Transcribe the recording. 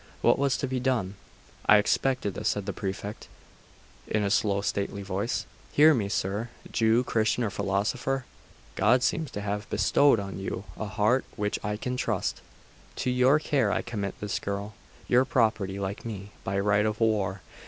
What was to be done? 'I expected this,' said the Prefect, in a slow stately voice. 'Hear me, sir! Jew, Christian, or philosopher, God seems to have bestowed on you a heart which I can trust. To your care I commit this girl your property, like me, by right of war.